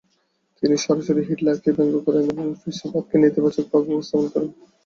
তিনি সরাসরি হিটলারকে ব্যঙ্গ করেন এবং ফ্যাসিবাদকে নেতিবাচকভাবে উপস্থাপন করেন।